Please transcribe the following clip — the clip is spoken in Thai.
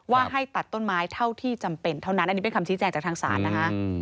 ให้ตัดต้นไม้เท่าที่จำเป็นเท่านั้นอันนี้เป็นคำชี้แจงจากทางศาลนะคะ